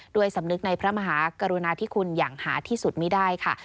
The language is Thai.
สำนึกในพระมหากรุณาธิคุณอย่างหาที่สุดไม่ได้ค่ะ